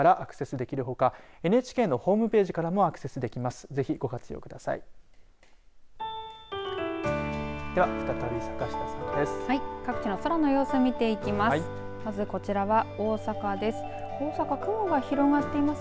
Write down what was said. では再び坂下さんです。